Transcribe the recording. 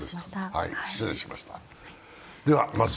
失礼いたしました。